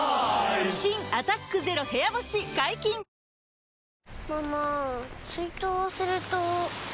新「アタックＺＥＲＯ部屋干し」解禁‼チリーン。